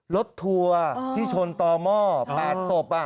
รถทัวร์ที่ชนต่อหม้อแบตตบอ่ะ